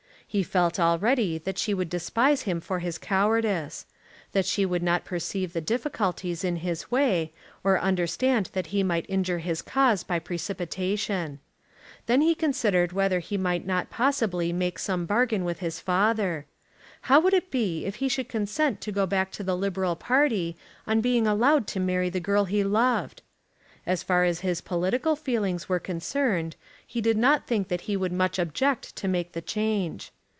He felt already that she would despise him for his cowardice, that she would not perceive the difficulties in his way, or understand that he might injure his cause by precipitation. Then he considered whether he might not possibly make some bargain with his father. How would it be if he should consent to go back to the Liberal party on being allowed to marry the girl he loved? As far as his political feelings were concerned he did not think that he would much object to make the change.